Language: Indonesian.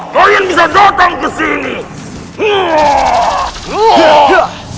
kalian bisa datang ke sini